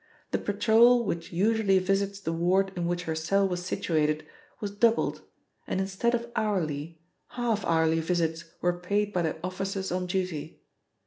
The patrol which usually visits the ward in which her cell was situated, was doubled, and instead of hourly, half hourly visits were paid by the officers on duty.